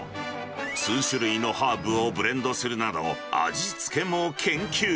数種類のハーブをブレンドするなど、味付けも研究。